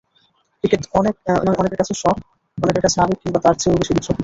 Cricket অনেকের কাছে শখ, অনেকের কাছে আবেগ কিংবা তার চেয়েও বেশি কিছু।